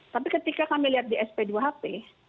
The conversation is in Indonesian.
tapi ketika kami lihat di sp dua hp